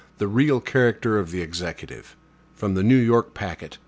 69 The Real Character of the Executive From the New York Packet.